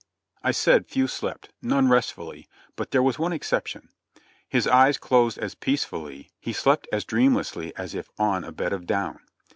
I said few slept, none restfully, but there was one exception. His eyes closed as peacefully, he slept as dreamlessly as if on a bed of down.